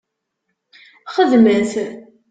Xedmet!